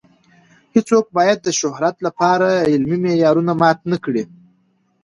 هیڅوک باید د شهرت لپاره علمي معیارونه مات نه کړي.